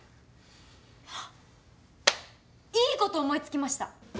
あっいいこと思いつきました。